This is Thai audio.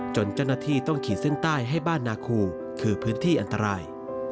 เจ้าหน้าที่ต้องขีดเส้นใต้ให้บ้านนาคูคือพื้นที่อันตราย